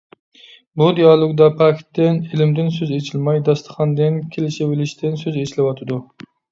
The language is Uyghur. بۇ دېئالوگدا پاكىتتىن، ئىلىمدىن سۆز ئېچىلماي داستىخاندىن، كېلىشۋېلىشتىن سۆز ئىچىلىۋاتىدۇ.